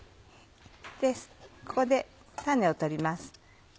ここで種を取ります。